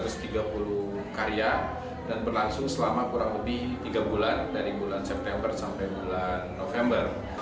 satu ratus tiga puluh karya dan berlangsung selama kurang lebih tiga bulan dari bulan september sampai bulan november